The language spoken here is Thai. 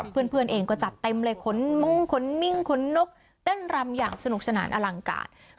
เพื่อนเองก็จัดเต็มเลยขนมุ้งขนมิ่งขนนกเต้นรำอย่างสนุกสนานอลังการ